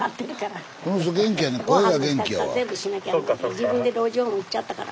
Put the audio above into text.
自分で老人ホーム行っちゃったから。